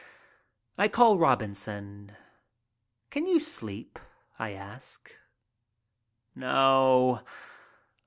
I call Robinson. "Can you sleep?" I ask. "No.